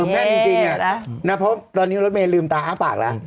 แม่จริงเพราะตอนนี้รถเมย์ลืมตาอ้าปากแล้ว